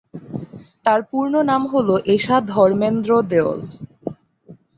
তার পূর্ণ নাম হল এশা ধর্মেন্দ্র দেওল।